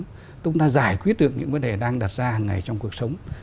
chúng ta giải quyết được những vấn đề đang đặt ra hàng ngày trong cuộc sống